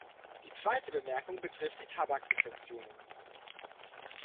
Die zweite Bemerkung betrifft die Tabaksubventionen.